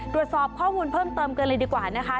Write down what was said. ตรวจสอบข้อมูลเพิ่มเติมกันเลยดีกว่านะคะ